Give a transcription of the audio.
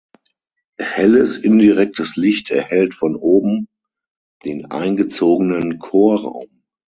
Helles indirektes Licht erhellt von oben den eingezogenen Chorraum.